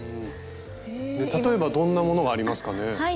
例えばどんなものがありますかね？